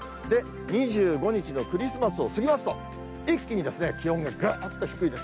２５日のクリスマスを過ぎますと、一気に気温がぐっと低いです。